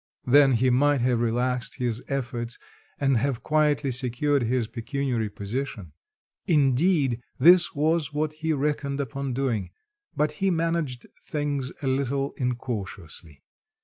Then he might have relaxed his efforts and have quietly secured his pecuniary position. Indeed this was what he reckoned upon doing, but he managed things a little incautiously.